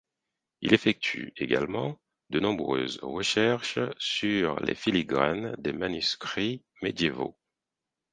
Il effectue également de nombreuses recherches sur les filigranes des manuscrits médiévaux.